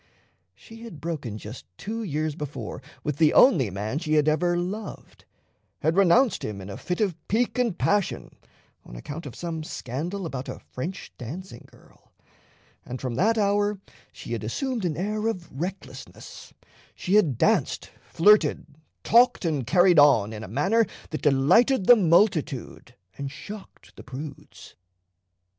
She had broken just two years before with the only man she had ever loved, had renounced him in a fit of pique and passion on account of some scandal about a French dancing girl; and from that hour she had assumed an air of recklessness: she had danced, flirted, talked, and carried on in a manner that delighted the multitude and shocked the prudes.